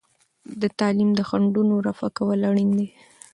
د تعلیم د خنډونو رفع کول اړین دي.